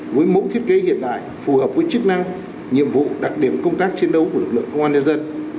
với mẫu thiết kế hiện đại phù hợp với chức năng nhiệm vụ đặc điểm công tác chiến đấu của lực lượng công an nhân dân